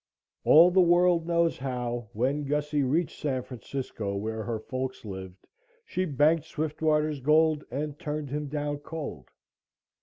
All the world knows how, when Gussie reached San Francisco, where her folks lived, she banked Swiftwater's gold and turned him down cold.